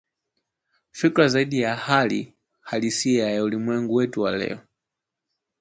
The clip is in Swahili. fikra zaidi ya hali halisia ya ulimwengu wetu wa leo